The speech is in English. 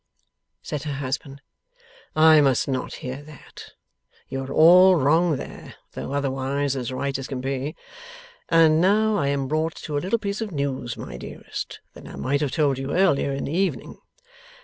said her husband, 'I must not hear that. You are all wrong there, though otherwise as right as can be. And now I am brought to a little piece of news, my dearest, that I might have told you earlier in the evening.